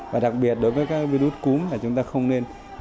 và đặc biệt đối với các virus cúm là chúng ta không nên